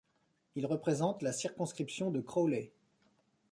Il représente la circonscription de Crawley.